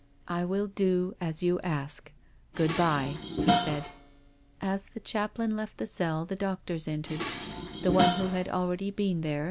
" I will do as you ask. Good bye," he said. As the chaplain left the cell the doctors entered, the one who had already been there.